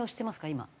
今。